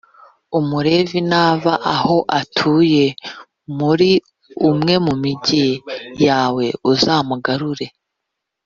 umulevi nava aho atuye, muri umwe mu migi yaweuzamugarure